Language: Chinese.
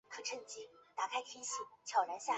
陈叔贤从此王妃沈氏在瓜州的酒馆里做了侍者。